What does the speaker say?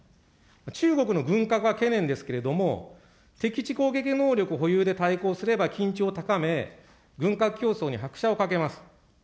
中国の軍拡は懸念ですけれども、敵基地攻撃能力保有で対抗すれば、緊張を高め、軍拡競争に拍車をかけます。